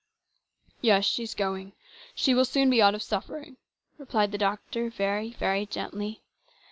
" Yes, she's going. She will soon be out of suffering," replied the doctor very, very gently.